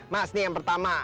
mas nih yang pertama